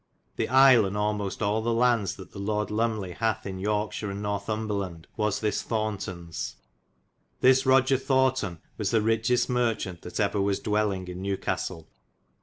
The isle, and almost al the landes that the Lorde Lomeley hath in York shir and Northumbreland, was this Thorntons.f This Roger Thorton was the richest marchaunt that ever was dwelling in Newcastelle.